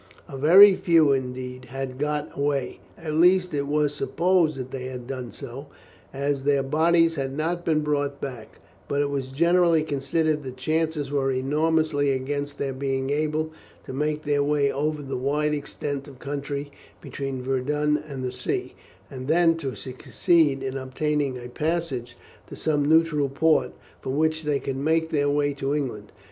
A very few, indeed, had got away; at least, it was supposed that they had done so, as their bodies had not been brought back; but it was generally considered that the chances were enormously against their being able to make their way over the wide extent of country between Verdun and the sea, and then to succeed in obtaining a passage to some neutral port, from which they could make their way to England.